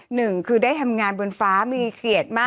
หนึ่งคือได้ทำงานบนฟ้ามีเกลียดมาก